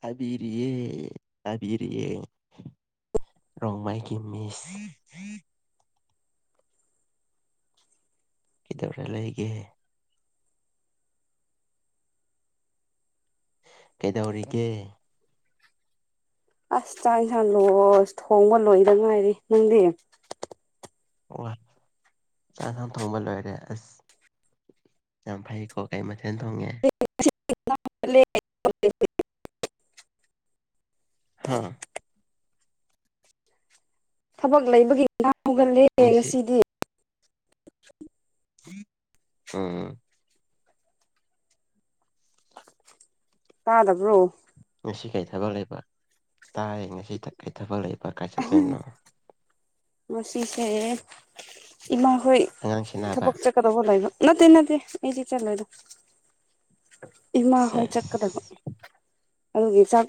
ꯇꯥꯕꯤꯔꯤꯌꯦ ꯇꯥꯕꯤꯔꯤꯌꯦ ꯔꯣꯡꯃꯩꯒꯤ ꯃꯤꯁ ꯀꯩꯗꯧꯔ ꯂꯩꯒꯦ ꯀꯩꯗꯧꯔꯤꯒꯦ ꯑꯁ ꯆꯥꯛ ꯌꯦꯟꯁꯥꯡ ꯂꯣꯁ ꯊꯣꯡꯕ ꯂꯣꯏꯗ ꯉꯥꯏꯔꯤ ꯅꯪꯗꯤ ꯋꯥ ꯆꯥꯛ ꯏꯟꯖꯥꯡ ꯊꯣꯡꯕ ꯂꯣꯏꯔꯦ ꯑꯁ ꯌꯥꯝ ꯐꯩꯀꯣ ꯀꯩ ꯃꯊꯦꯜ ꯊꯣꯡꯉꯤ [unintelligible] ꯍꯥꯥ ꯊꯕꯛ ꯂꯩꯕꯒꯤ ꯉꯥꯟꯇꯥ ꯍꯧꯒꯠꯂꯦ ꯉꯁꯤ ꯉꯁꯤꯗꯤ [inaudible] ꯎꯝ ꯇꯥꯗꯕ꯭ꯔꯣ ꯉꯁꯤ ꯀꯔꯤ ꯊꯕꯛ ꯂꯩꯕ ꯇꯥꯏ ꯉꯁꯤ ꯀꯩ ꯊꯕꯛ ꯂꯩꯕ ꯀꯥꯏ ꯆꯠꯇꯣꯏꯅꯣ ꯃꯁꯤꯁꯦ ꯏꯃꯥ ꯍꯣꯏ ꯑꯉꯥꯡ ꯁꯦꯟꯅꯕ ꯊꯕꯛ ꯆꯠ ꯆꯠꯀꯗꯕ ꯂꯩꯕ ꯅꯠꯇꯦ ꯅꯠꯇꯦ ꯑꯩꯗꯤ ꯆꯠꯂꯣꯏꯗ ꯏꯃꯥ ꯍꯣꯏ ꯆꯠꯀꯗꯕ ꯁꯦꯁ ꯑꯗꯨꯒꯤ ꯆꯥꯛ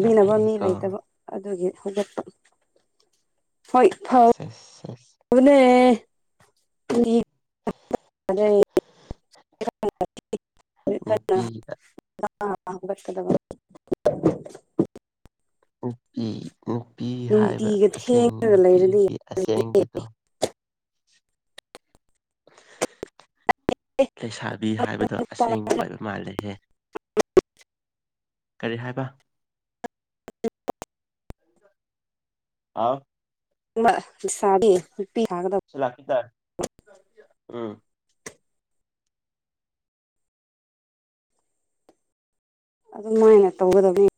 ꯌꯥꯝ ꯃꯤ ꯐꯩꯌꯦꯀꯣ ꯂꯩꯇꯕ ꯑꯗꯨꯒꯤ ꯍꯧꯒꯠꯄ ꯍꯣꯏ ꯐꯨꯠ [unintelligible] [unintelligible] ꯅꯨꯄꯤ ꯑꯥ ꯉꯟꯇꯥ ꯉꯟꯇꯥ ꯍꯧꯒꯠꯀꯗꯕ ꯅꯨꯄꯤ ꯅꯨꯄꯤ ꯍꯥꯏꯕ ꯅꯨꯡꯇꯤꯒ ꯑꯁꯦꯡ ꯊꯦꯡꯉꯒ ꯂꯩꯔꯗꯤ ꯅꯨꯄꯤꯒꯤ ꯌꯥꯗꯦ ꯑꯁꯦꯡꯕꯗꯣ ꯂꯩꯁꯥꯕꯤ ꯍꯥꯏꯕꯗꯣ ꯅꯨꯄꯥ ꯑꯁꯦꯡꯕ ꯑꯣꯏꯔꯝ ꯃꯥꯜꯂꯦꯍꯦ ꯀꯔꯤ ꯍꯥꯏꯕ [unintelligible] ꯑꯥꯎ ꯃꯥ ꯂꯩꯁꯕꯤ ꯅꯨꯄꯤ ꯁꯥꯒꯗꯕ [unintelligible] ꯎꯝ ꯑꯗꯨꯃꯥꯏꯅ ꯇꯧꯒꯗꯕꯅꯦ